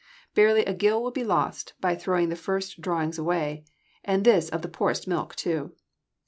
Barely a gill will be lost by throwing the first drawings away, and this of the poorest milk too.